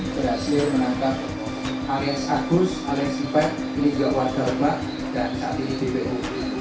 berhasil menangkap ares agus ares ipak tiga warga rumah dan satu idpu